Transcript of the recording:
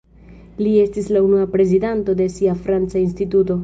Li estis la unua prezidanto de sia franca instituto.